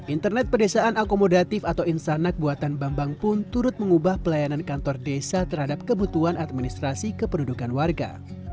internet pedesaan akomodatif atau insanak buatan bambang pun turut mengubah pelayanan kantor desa terhadap kebutuhan administrasi kependudukan warga